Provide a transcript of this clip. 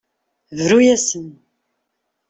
Bru-asen.